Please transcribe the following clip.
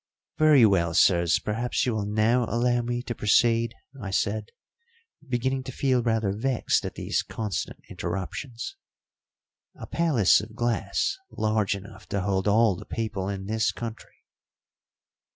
"Very well, sirs, perhaps you will now allow me to proceed," I said, beginning to feel rather vexed at these constant interruptions. "A palace of glass large enough to hold all the people in this country."